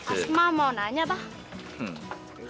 asma mau nanya abah